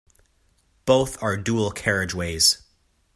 Both are dual carriageways.